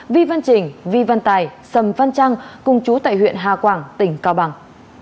vi văn trình vi văn tài sầm văn trăng cùng chú tại huyện hà quảng tỉnh cao bằng